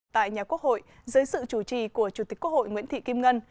tại nhà quốc hội dưới sự chủ trì của chủ tịch quốc hội nguyễn thị kim ngân